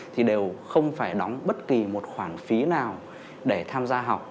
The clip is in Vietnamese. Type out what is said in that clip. thì đều không phải đóng bất kỳ một khoản phí nào để tham gia học